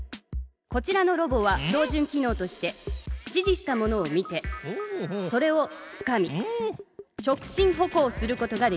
こちらのロボは標じゅん機のうとして指じしたものを見てそれをつかみ直進歩行することができる！